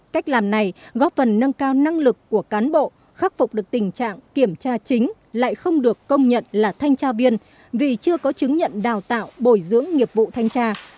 cách làm này góp phần nâng cao năng lực của cán bộ khắc phục được tình trạng kiểm tra chính lại không được công nhận là thanh tra viên vì chưa có chứng nhận đào tạo bồi dưỡng nghiệp vụ thanh tra